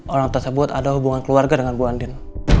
orang tersebut ada hubungan keluarga dengan bu andin